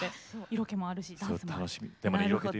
色気もあるしダンスもあると。